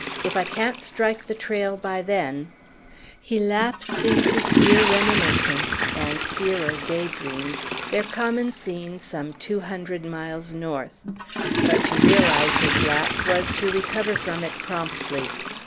If I can't strike the trail by then " He lapsed into dear reminiscence and dearer daydreams, their common scene some two hundred miles north; but to realize his lapse was to recover from it promptly.